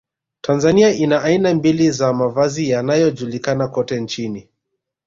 Tanzania ina aina mbili za mavazi yanayojulikana kokote nchini